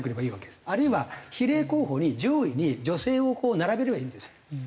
あるいは比例候補に上位に女性を並べればいいんですよ。